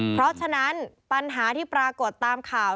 เพราะฉะนั้นปัญหาที่ปรากฏตามข่าว